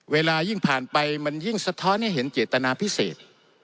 เวลายิ่งผ่านไปมันยิ่งสะท้อนให้เห็นเจตนาพิเศษ